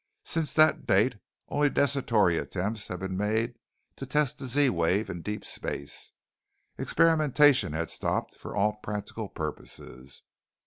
Since that date, only desultory attempts have been made to test the Z wave in deep space. Experimentation had stopped, for all practical purposes.